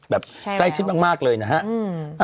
แบบใกล้ชิดมากเลยนะฮะ